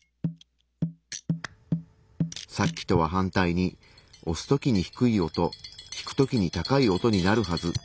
さっきとは反対に押すときに低い音引くときに高い音になるはず。